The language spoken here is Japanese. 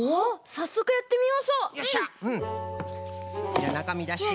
じゃなかみだして。